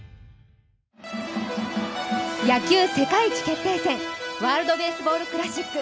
野球世界一決定戦・ワールドベースボールクラシック